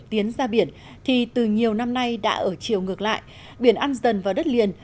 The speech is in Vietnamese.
tiến ra biển thì từ nhiều năm nay đã ở chiều ngược lại biển ăn dần vào đất liền